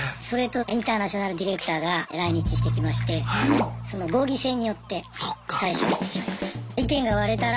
それとインターナショナルディレクターが来日してきましてその合議制によって最終的に決まります。